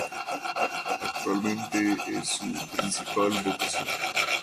Actualmente es su principal vocación.